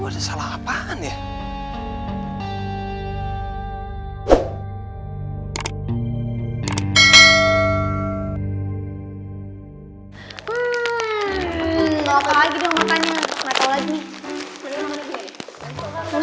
di down the right nah itu kayaknya pokoknya teman teman atau handphone wordtertingly